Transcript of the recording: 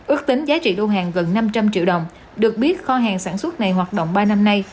ước tính giá trị đô hàng gần năm trăm linh triệu đồng được biết kho hàng sản xuất này hoạt động ba năm nay